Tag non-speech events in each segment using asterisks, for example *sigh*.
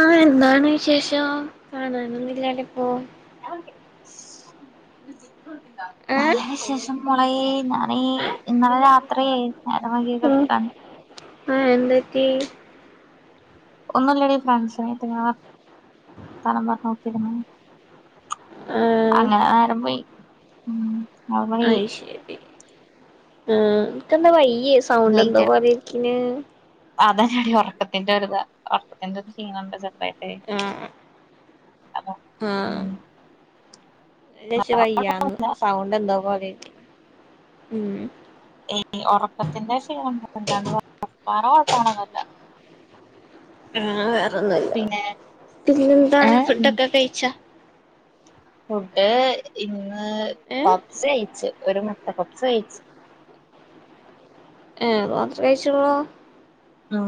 ആ എന്താണ് ശേഷം ആണോ അങ്ങനെ ഒന്നുല്ലാണ്ട ഇപ്പോ *unintelligible* നല്ല ഏഹ് വിശേഷം മേളേ ഞാനേ ഇന്നലെ രാത്രി നേരം വൈകി കെട്ക്കാന് ആ എന്ത് പറ്റി ഒന്നുല്ലടി ഫ്രൻട്സ്നേറ്റ് ഇങ്ങനെ വർത്താനം പറഞ്ഞ് കുത്തിരുന്നു ആഹ് അങ്ങനെ നേരം പോയി ഉം അവളീ അയ് ശരി ആ അൻക്കെന്താ വയ്യ് യ്യേ സൗണ്ട് എന്തോ പോലെ ഇരിക്ന് അതാ ഞാനീ ഒറക്കത്തിന്റെ ഒരുരിതാ ഒർക്കത്തിന്റെ ക്ഷീണംണ്ട് ചേർതായിട്ട് ഏ ആ ഞാൻ ചാര്ച്ചു വയ്യാന്ന് സൗണ്ട് എന്തോ പോലെ ആയിട്ട് ഉം എടി ഒറക്കത്തിന്റെ ക്ഷീണം കൊണ്ടാണ് വേറെ കൊഴ പ്പൊങ്ങളൊന്നുല്ല ഉം വേറേ അതൊന്നു അല്ല പിന്നെന്താണ് ഏഹ് ഫുഡൊക്കെ കഴിച്ച ട്ട് ഇന്ന് ഏ ഏഹ് പപ്സ് കയിച്ചു *unintelligible* മുട്ട പപ്സയിച്ച് ഏ പപ്സ് കഴിച്ചുള്ളൂ ഉം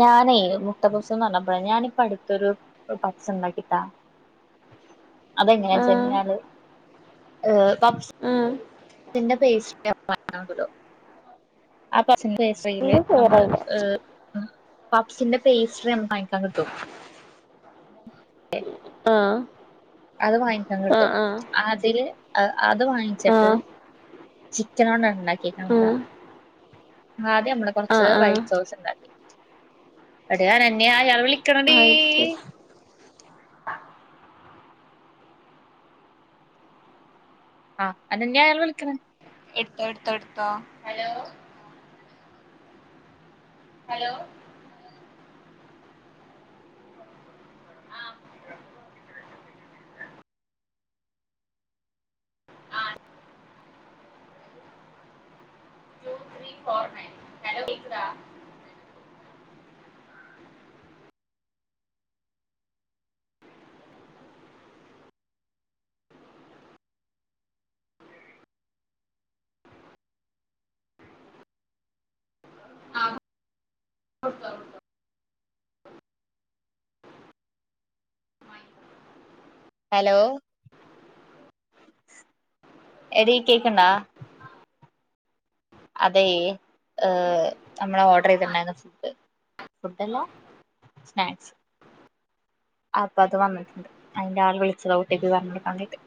ഞാനേ മുട്ട പപ്സ്ന്ന് ർഞ്ഞപ്പൊഴാ ഞാനിപ്പ അടുത്തൊരു പപ്സ്ണ്ടാക്കിട്ടാ അതെങ്ങനാ ആഹ് ചെഞ്ഞാല് ആഏ പപ്സ് ആഹ് *unintelligible* *unintelligible* അപ്പ സയില് എനിക്ക് നമ്മള് ക്ലിയറായില്ല പബ്സിന്റെ പേസ്ട്രി നമ്മക്ക് വാങ്ങിക്കാൻ കിട്ടും ആഹ് അത് വാങ്ങിക്കാൻ കിട്ടും ആഹ് അതില് അത് ആഹ് വാങ്ങിച്ചിട്ട് ആഹ് ചിക്കനൊണ്ട ണ്ടാ പിന്നെന്താ ആ ആദ്യം നമ്മെ ആഹ് കുറച്ച് ആഹ് ആഹ് വൈറ്റ് സോസ് ഉണ്ടാക്കാ എടിയെ രമ്യയെ ഞാൻ വിളി ക്ക് നെടീ അത് ശരി ആഹ് അത ഞാ അയാള് വിളിക്കണ് എടുത്തോ എടുത്തോ എടുത്തോ ഹലോ *inaudible* ഹലോ എടീ കേക്ക് ണ്ടാ അതെ ഏ നമ്മൾ ഓർഡർ ചെയ്തിണ്ടായിരുന്നു ഫുഡ് ഫുഡല്ല സ്നാക്സ് അപ്പൊ അത് വന്നിട്ടുണ്ട് അതിന്റെ ആൾ വിളിച്ചത ഒ ട്ടി പ്പി പറഞ്ഞൊടുക്കാൻ വേണ്ടിയിട്ട്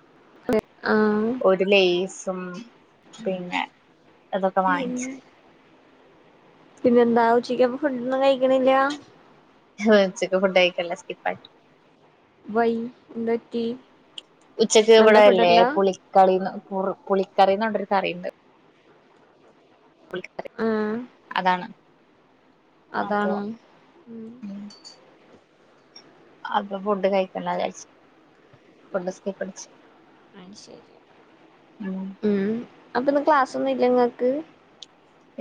ആഹ് ഒരു ലയിസ് പിന്നെ അതൊക്കെ വാങ്ങിച്ചു പിന്നെ എന്താ ഉച്ചിക്കപ്പൊ ഫുഡൊന്നും കഴി ഉച്ചക്ക് ഫുഡായി ല്ലാ സ്കിപ്പാക്കി വൈഎന്തറ്റി ഉച്ചക്ക് ഇവിടെയല്ലേ പുളിക്കളി ഉ പുർ പുളിക്കാറീന്ന് ന്നോട്ടൊരു ഒരു കറിയ്ണ്ട് പുളിക്കറി അതാണ് അപ്പൊ അതാണ് ഉം അപ്പൊ ഫുഡ് കഴിക്കണ്ല്ലാ വിചാരിച്ച് ഫുഡ് സ്കിപ്പടിച്ചു ആ ശരി ഉം അപ്പൊ ഇന്ന് ക്ലാസ് ഒന്നും ഇല്ല ഇങ്ങക്ക്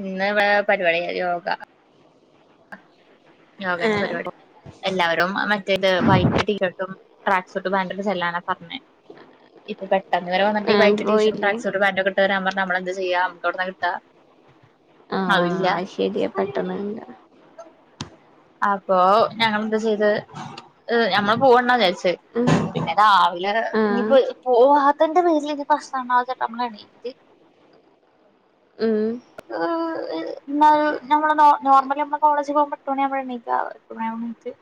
ഇന്ന് ഇവിടെ പരിപാടിയ യോഗ യോഗേന്റെ ഏഹ് പരിപാടി എല്ലാവരും മറ്റേത് വൈറ്റ് ടീഷർട്ടും ട്രാക്ക് സൂട്ട് പാന്റും ഇട്ട് ചെല്ലാനാ പറഞ്ഞത് ഇത് പെ അന്നു വരെ വന്നിട്ട് ഈ ആന്റ് വൈറ്റ് ടീ ഷർട്ടും പോയില്ലേ ട്രാക്ക് സ്യുട്ട് പാന്റും ഇട്ട് വരാൻ പറഞ്ഞ നമ്മള് എന്തു ചെ ചെയ്യാ നമ്മക്കെവിടുന്നാ കിട്ടാ ആഹ് അതില്ല ആഹ് അത് ശരിയാ പെട്ടെന്ന് കിട്ടാ അപ്പൊ ഞങ്ങളെന്താ ചെയ്തെ ഞമ്മള് പോവണ്ട വിചാരിച്ച് ഉം *unintelligible* പിന്നെ അതാ *unintelligible* ആഹ് ഇനിപ്പോ പോവാത്തെന്റെ പേരിൽ ഇനി പ്രശ്നണ്ടാവണ്ടാച്ച് നമ്മള് എണീറ്റ് ഉം ഏഹ് ന് ഞമ്മള് നോ നോർമലി ഞമ്മള് കോളേജിൽ പോകുമ്പോ എട്ട് മണിയാവുമ്പഴാ എണീക്കാ എട്ട് മണിയാവുമ്പം എന്നീറ്റ്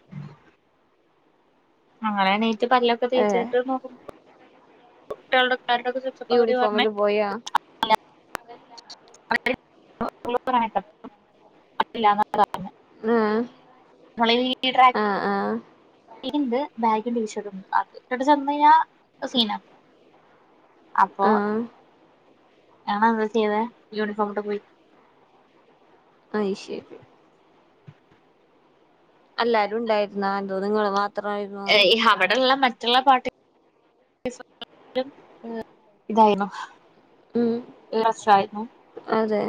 അങ്ങനെ എണീറ്റ് പല്ലൊക്കെ ഏഹ് തേച്ചിട്ടു നോ *unintelligible* കുട്ടികൾടെ യൂണിഫോമില് പോയാ *unintelligible* ആഹ് മ്മളീ *unintelligible* ആഹ് ആഹ് *unintelligible* ഇണ്ട് ബാഗിയും ടീഷർട്ടും അത് ഇട്ടിട്ട് ചെന്ന് കഴിഞ്ഞാ സീന അപ്പൊ ആഹ് ഇയാള് എന്താ ചെയ്തേ യൂണിഫോമിട്ട് പോയി അയ് ശെരി എല്ലാരും ഉണ്ടായിരുന്നാ അതോ നിങ്ങള് മാത് ഏഹ് അവിടെള്ള മറ്റ് മറ്റുള്ള പാട്ടി *unintelligible* ഇതായിരുന്നു ഉം *unintelligible* അതെ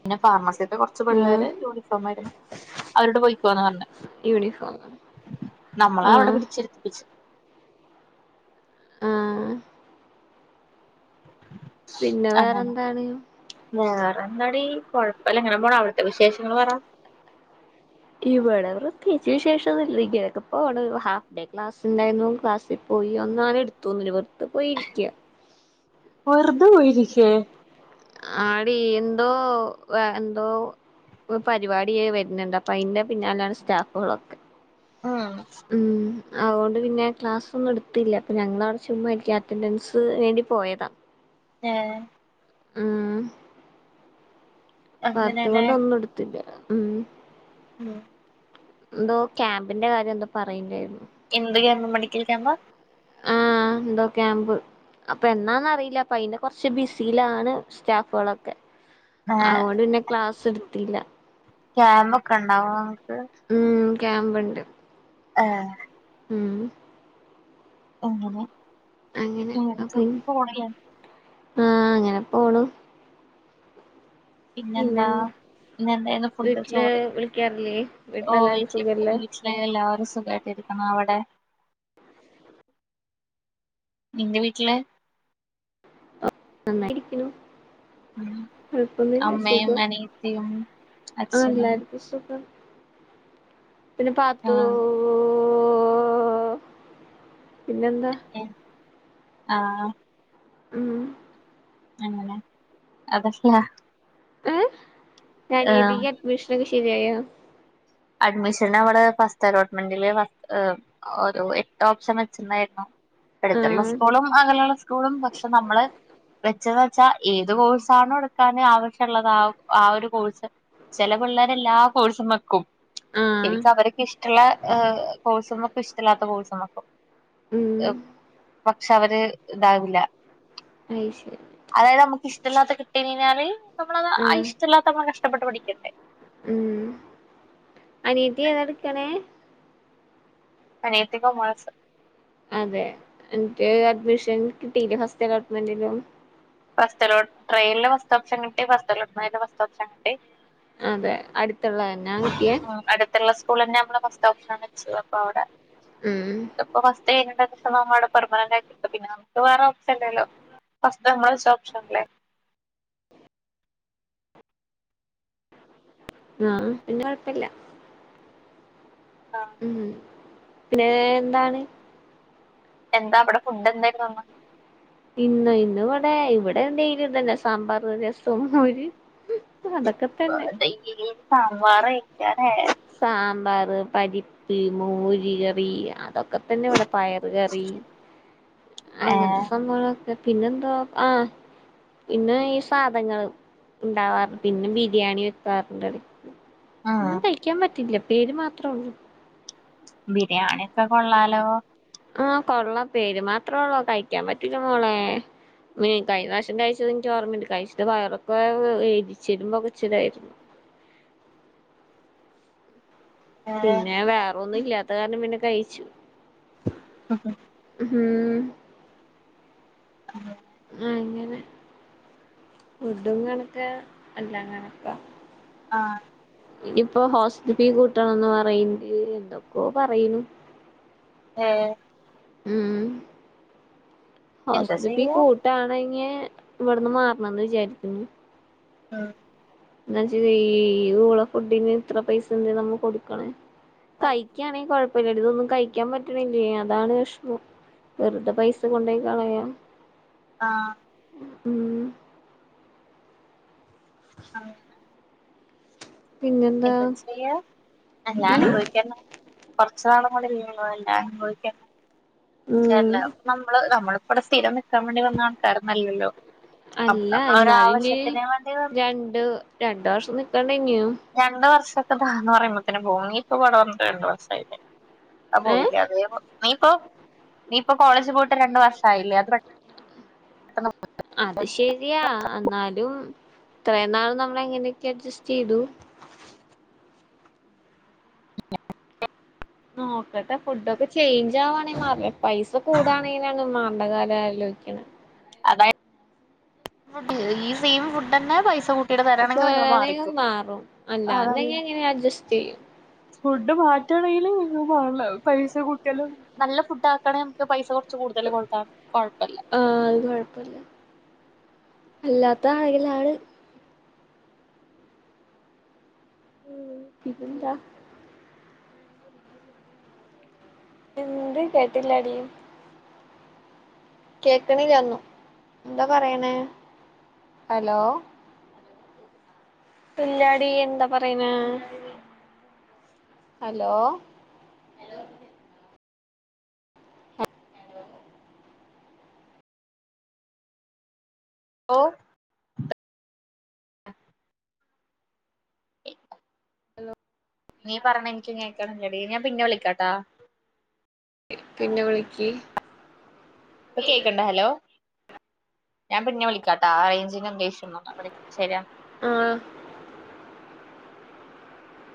പിന്നെ ഫാർമസിയത്തെ കൊറച്ച് ആഹ് പിള്ളേര് യൂണിഫോം ആയിരുന്നു അവരോട് പോയിക്കോന്ന് പറഞ്ഞു. യൂണിഫോം നമ്മളാ അവിടെ ആഹ് പിടിച്ചിരുത്തിപ്പിച്ചെ ആഹ് പിന്നെ വേറെന്താണ് വേറെന്താടി കൊഴപ്പയില്ല ഇങ്ങനെ പോണ് അവിടുത്തെ വിശേഷങ്ങള് പറ ഇവിടെ പ്രേത്യേകിച്ച് വിശേഷം ഒന്നുല്ലെടി ഇങ്ങനെ ഒക്കെ പോണ് ഹാഫ് ഡേ ക്ലാസ്ണ്ടായിരുന്നു ക്ലാസ്സിൽ പോയി ഒന്നും അങ്ങനെ എടുത്തൊന്നുമില്ല വെറുതെ പോയിരിക്കാ വെറുതെ പോയിരിക്കേ ആടി എന്തോ എന്തോ പ് പരിപാടിയേ വരുന്നുണ്ട് അപ്പൊ അയിന്റെ പിന്നാലെയാണ് സ്റ്റാഫുകളൊക്കെ ആഹ് ഉം അതുകൊണ്ട് പിന്നെ ക്ലാസ് ഒന്നും എടുത്തില്ല അപ്പൊ ഞങ്ങളവിടെ ചുമ്മാ ഇരിക്കും അറ്റൻഡൻസ് വേണ്ടി പോയതാ ഏഹ് ഉം ഇപ്പ അത് അങ്ങനെല്ലേ കൊണ്ടൊന്നും ഇട്ത്തില്ല ഉം മോ എന്തോ ക്യാമ്പിന്റെ കാര്യം എന്തോ പറയ്ണ്ടാര്ന്നു ഉം മെഡിക്കൽ ക്യാമ്പാ ആഹ് എന്തോ ക്യാമ്പ് അപ്പെന്നാന്നറിയില്ല അപ്പ അയിന്റെ കൊറച്ച് ബിസിയിലാണ് സ്റ്റാഫളൊക്കെ ഏ ആഹ് അവോണ്ട് പിന്നെ ക്ലാസ് ഇട് ത്തില്ല ക്യാമ്പൊക്കെ ണ്ടാവോ ഉം ക്യാമ്പ്ണ്ട് ഏ ഉം അങ്ങനെ അങ്ങനെ അപ്പ ഇങ്ങനൊക്കെ പോണ് ആ അങ്ങനെ പോണു പിന്നെന്താ ഇന്ന് എന്തെന്നു ഫുഡ് വീട്ടില് ചോറ് വിളിക്കാറില്ലേ ഓ വീട്ടിലെല്ലാരും വീട്ടില സുഖല്ലേ വീട്ടിലെ എല്ലാരും സുഖ ട്ടിരിക്കുന്നു അവിടെ നിന്റെ വീട്ടില് നന്നായിരിക്ക്‌ണു അമ്മയും അനിയത്തിയും ആഹ് അച്ചനും എല്ലാർക്കും സുഖം പിന്നെ പാത്തൂ ആഹ് പിന്നെന്താ ആ ഉം എങ്ങനെ *unintelligible* ഏ ഞാൻ ഏതി ഈ അഡ്മിഷണ ശരിയായോ അഡ്മിഷൻ അവിടെ ഫസ്റ്റ് അലോട്ട്മെന്റില് ഒരു എട്ട് ഓപ്ഷൻ വെച്ചിണ്ടായിരുന്നു എടുത്തുള്ള ആഹ് സ്കൂളും അക ലെയുള്ള സ്കൂളും പ പക്ഷെ നമ്മള് വെച്ചെന്ന് വെച്ചാ ഏത് കോഴ്സാണോ എടുക്കാന് ആവശ്യള്ളത് ആ ആ ഒരു കോഴ്സ് ചെല പിള്ളേരെ എല്ലാ കോഴ്സും വെക്കും ആഹ് ശരിക്കും അവര്ക്ക് ഇഷ്ടള്ള കോഴ്സ് മ്മക്ക് ഇഷ്ടല്ലാത്ത കോഴ്സ് മ്മക്കും ഉം പക്ഷെ അവര് ഇതാവില്ല അയ് ശരി അതായത് നമുക്ക് ഇഷ്ടല്ലാത്ത കിട്ടി കഴിഞ്ഞാല് നമ്മളത് ആ ആഹ് ഇഷ്ടല്ലാത്ത നമ്മള് കഷ്ടപ്പെട്ട് പഠിക്കണ്ടേ ഉം അനിയത്തി ഏതാ ഇട്ക്ക്‌ണേ അനിയത്തി കോമേഴ്‌സ് അതെ അൻക് അഡ്മിഷൻ കിട്ടീല്ലേ ഫസ്റ്റ് അലോട്ട്മെന്റിലും first allot trial first option കിട്ടി ഫസ്റ്റ് അലോട്മെന്റില് ഫസ്റ്റ് ഓപ്ഷൻ കിട്ടി അതെ അടുത്തുള്ളന്നെ കിട്ടിയെ സ്കൂൾ തന്നെ നമ്മ ഫസ്റ്റ് ഓപ്ഷൻ വെ അ അവിടെ ഉം അപ്പൊസ്റ്റ് *unintelligible* പെർമനന്റ് *unintelligible* നക്കവേറെല്ലോ *unintelligible* ആഹ പിന്നെ കൊഴപ്പില്ല ആഹ പിന്നേ എന്താണ് എന്താ അപടെ ഫുഡെന്തായിരുന്നു അന്ന് ഇന്ന് ഇന്ന് ഇവടെ ഇവടെ എന്തെയില് ഇതന്നെ സാമ്പാർ രസ തിന്നോ ഓര് അതൊക്കെ തന്നെ വാറെ ഇങ്ങനെ സാമ്പാർ പരിപ്പ് മോര് കറി അതൊ ക്ക തന്നെ ഇവടെ പയറ്ക്കറി ഏ അങ്ങത്തെ സംഭവള് *unintelligible* പിന്നെന്തോ ആഹ് പിന്നെ ഈ സാധനള് ഇണ്ടാവാറ് പിന്നെ ബിരിയാണി വെക്കാറ്ണ്ട് ഉം ഒന്നും കഴി മറ്റില്ലാ പേര് മാത്രോള്ളു ബിരിയാണി ഒക്കെ കൊള്ളാലോ ആഹ് കൊള്ളാം പേര് മാത്രോള്ളു കഴിക്കാൻ പറ്റൂല്ലാ മോളേ. മേ കഴിഞ്ഞറാശ്യം കഴിച്ചത് ഇന്ക്ക് ഓർമണ്ട് കഴിച്ചിട്ട് വയറൊക്കെ വേ എരിച്ചിലും പൊകച്ചിലായിരുന്നു ഏ പിന്നെ വേറൊന്നും ഇല്ലാത്ത കാരണം പിന്നെ കയ്ച്ചു ഉം *inaudible* ആ അങ്ങനെ ഫുഡും കണക്കാ എല്ല കണക്കാ ആഹ് ഇനിയിപ്പോ ഹോസ് ഫീ കൂട്ടണംന്ന് പറയ്ണ്ട് എന്തൊക്കോ പറയ്ണ് എ ഉം എന്താ ഹോസ് ഫീ ചെയ്യാ കൂട്ടാണങ്ങെ ഇവിട്ന്ന് മാറണന്ന് വിചാരിക്ക്‌ണ് ആഹ് എന്താ ച്ചാ ഈ ഊള ഫുഡിന് ഇത്ര പൈസ എന്തെ നമ്മ കൊടുക്കണം കഴിക്കാണെങ്കി കൊഴ പിന്നെതൊന്നും കയ്ക്കാൻ പറ്റ്ണില്ലേ അതാണ് വെഷ്മം വെർതെ പൈസ കൊണ്ടോയി കളയാ ആഹ് ഉം ആ പിന്നെന്താ എന്താ ചെയ്യ എല്ലാം ഉം അനുഭവിക്കന്നേ കൊർച്ച് നാളും കൂടി *unintelligible* ച്ചേ അല്ല ഉം അപ്പ നമ്മള് നമ്മള് ഇവിടെ സ്ഥിരം ക്കാൻ വേണ്ടി വന്ന ആൾക്കാരൊന്നും അല്ലല്ലോ അപ്പ അല്ല എന്നാലും ഇനി നമ്മളൊരാവശ്യത്തിന് വേണ്ടി വന്ന് രണ്ട് രണ്ട് വർഷം നിക്കണ്ടേ ഇനിയും രണ്ട് വർഷം ഇപ്പ ദാ ന്ന് പറയുമ്പോതിനും പോവും. നീ ഇപ്പം ഇവടെ വന്നിട്ട് രണ്ട് മാസായിലെ. ആ ഏ പകുതി അതേ പൊ നീയിപ്പോ നീ ഇപ്പോ കോളേജ് പോയിട്ട് രണ്ട് വർഷായില്ലേ അത് പെ അത് ശരിയാ അന്നാലും ഇത്രയും നാൾ നമ്മ ളെങ്ങനെയൊക്കെ അഡ്ജസ്റ്റ് ചെയ്തു. നോക്കട്ടെ ഫുഡൊക്കെ ചേഞ്ച് ആവാണെ മാർലെ പൈസ കൂടാണേനൊന്നും മാ ണ്ട കാലാ ആലോയിക്യ്ണെ അതായ *unintelligible* ഫുഡ്‌ ഈ സെയിം ഫുഡന്നെ പൈസ കൊ ത്തിടെ തരണെങ്കിൽ നിങ്ങൾ ണെങ്കിൽ മാറിക്കൊ. മാറും അല്ലാന്നുണ്ടെങ്കി അതറിയാം എങ്ങനെ അഡ്ജസ്റ്റ് ചെയ്യും ഫുഡ്‌ മാറ്റാണെങ്കിൽ നിങ്ങൾ മാർല പൈസ കൂട്ടിയാലും നല്ല ഫുഡാക്കണെ ക്ക് പൈസ കൊ ച്ച് കൂടുതൽ കൊടുത്താ കൊഴപ്പല്ല ആഹ് അത് കൊഴപ്പല്ല അല്ലാത്ത ആണെങ്കിലാണ് ഉം പിന്നെന്താ എന്ത് കേട്ടില്ലാടി കേക്കണില്ല ഒന്നും എന്താ പറയണേ ഹലോ ഇല്ലാടി എന്താ പറയണെ ഹലോ ഓ നീ പറഞ്ഞ എനിക്ക് കേക്കണില്ലടി ഞാൻ പിന്നെ വിളിക്കാട്ടാ പിന്നെ വിളിക്ക് പ്പം കേക്ക്ണ്ട് ഹലോ ഞാൻ പിന്നെ വിളിക്കാട്ടാ ആ റേഞ്ചിന് എന്തോ *unintelligible* ശരി എന്നാ ആഹ്